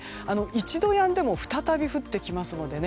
一度やんでも再び降ってきます。